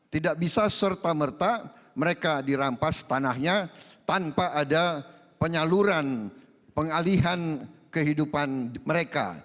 tidak bisa serta merta mereka dirampas tanahnya tanpa ada penyaluran pengalihan kehidupan mereka